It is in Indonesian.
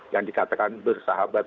yang dikatakan bersahabat